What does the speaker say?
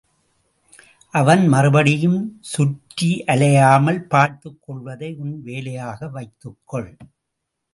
அவன் மறுபடியும் சுற்றியலையாமல் பார்த்துக் கொள்வதை உன் வேலையாக வைத்துக் கொள்.